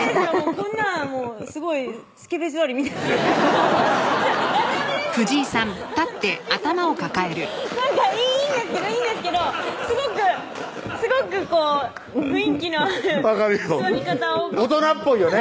こんなんすごいすけべ座りみたいなラブラブですけど何て言うんだろうなんかいいんですけどいいんですけどすごくすごくこう雰囲気のある座り方を大人っぽいよね